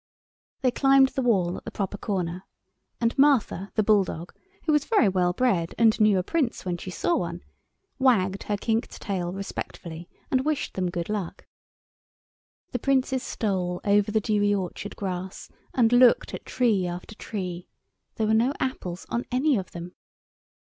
They climbed the wall at the proper corner, and Martha, the bulldog, who was very wellbred, and knew a Prince when she saw one, wagged her kinked tail respectfully and wished them good luck. The Princes stole over the dewy orchard grass and looked at tree after tree: there were no apples on any of them.